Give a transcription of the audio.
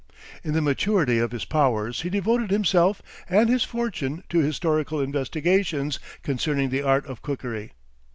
In the maturity of his powers he devoted himself and his fortune to historical investigations concerning the art of cookery.